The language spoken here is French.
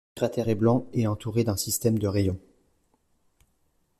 Ce cratère est blanc et est entouré d'un système de rayons.